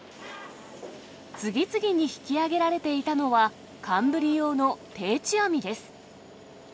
次々に引き上げられていたのは、寒ブリ用の定置網です。